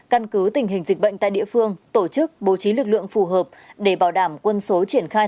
căn cứ tình hình dịch bệnh tại địa phương tổ chức bố trí lực lượng phù hợp để bảo đảm quân số triển khai